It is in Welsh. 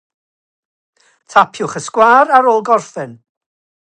Mae hi'n ateb, “Trwy ddringo'r goeden, ond wna i ddim mo hynna eto”.